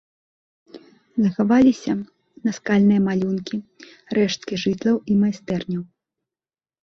Захаваліся наскальныя малюнкі, рэшткі жытлаў і майстэрняў.